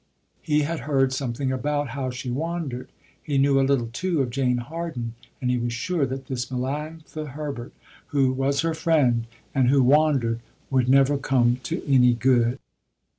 He had heard something about how she wandered. He knew a little too of Jane Harden, and he was sure that this Melanctha Herbert, who was her friend and who wandered, would never come to any good.